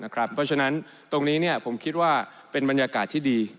เพราะฉะนั้นตรงนี้ผมคิดว่าเป็นบรรยากาศที่ดี